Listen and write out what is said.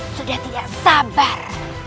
sudah tidak sabar